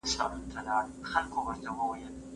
د ثمر ګل زوی په ډېره تلوسه د ونې خواته منډه کړه.